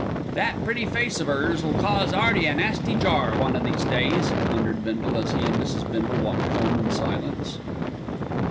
"That pretty face of 'ers 'll cause 'Earty a nasty jar one of these days," muttered Bindle, as he and Mrs. Bindle walked home in silence.